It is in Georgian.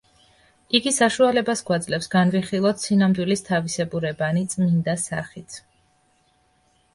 იგი საშუალებას გვაძლევს განვიხილოთ სინამდვილის თავისებურებანი „წმინდა სახით“.